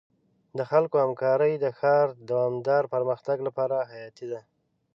د خلکو همکاري د ښار د دوامدار پرمختګ لپاره حیاتي ده.